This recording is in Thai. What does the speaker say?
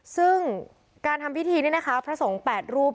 ซึ่งการทำพิธีนี่นะคะพระสงฆ์๘รูป